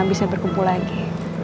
bisa berkumpul lagi